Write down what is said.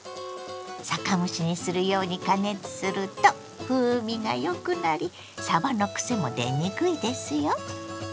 酒蒸しにするように加熱すると風味がよくなりさばのくせも出にくいですよ。